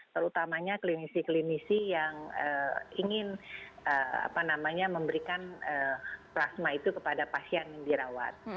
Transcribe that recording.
terutamanya klinisi klinisi yang ingin memberikan plasma itu kepada pasien yang dirawat